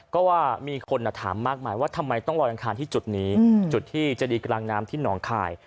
ก็ว่ามีคนถามมากมายว่าทำไมต้องลอยอังคารที่จุดนี้จุดที่จะดีกลางน้ำที่หนองคาย